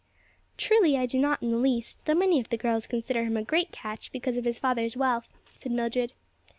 "Truly I do not in the least; though many of the girls consider him a great catch because of his father's wealth," said Mildred.